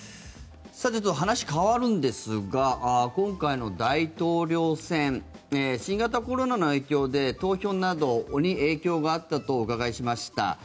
話が変わるんですが今回の大統領選新型コロナの影響で投票などに影響があったとお伺いしました。